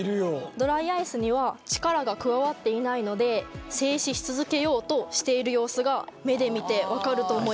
ドライアイスには力が加わっていないので静止し続けようとしている様子が目で見て分かると思います。